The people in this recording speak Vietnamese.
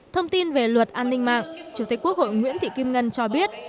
thông tin về luật an ninh mạng chủ tịch quốc hội nguyễn thị kim ngân cho biết